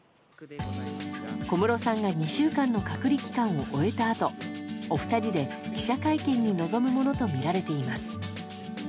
小室さんが２週間の隔離期間を終えたあとお二人で記者会見に臨むものとみられています。